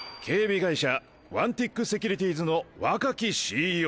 警備会社ワンティックセキュリティーズの若きＣＥＯ